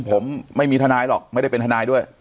ผมไม่มีทนายหรอกไม่ได้เป็นทนายด้วย